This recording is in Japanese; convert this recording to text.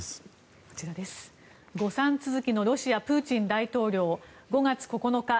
誤算続きのロシアプーチン大統領５月９日